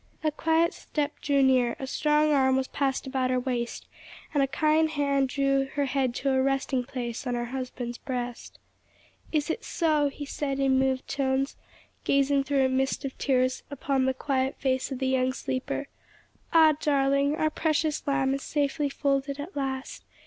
A quiet step drew near, a strong arm was passed about her waist, and a kind hand drew her head to a resting place on her husband's breast. "Is it so?" he said in moved tones, gazing through a mist of tears upon the quiet face of the young sleeper. "Ah, darling, our precious lamb is safely folded at last.